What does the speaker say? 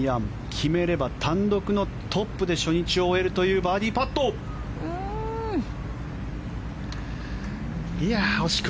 決めれば単独トップで初日を終えるバーディーパットでした。